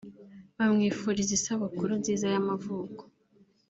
bamwifuriza isabukuru nziza y’Amavuko